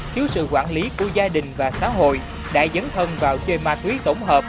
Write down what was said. chứa sự quản lý của gia đình và xã hội đã dẫn thân vào chơi ma túy tổng hợp